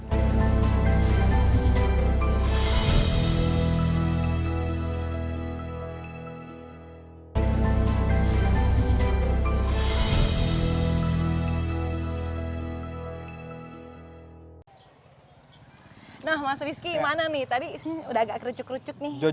nah mas rizky mana nih tadi udah agak kerucuk kerucut nih